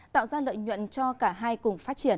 tạo ra lợi nhuận cho cả hai cùng phát triển